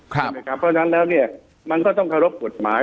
เพราะฉะนั้นแล้วเนี่ยมันก็ต้องเคารพกฎหมาย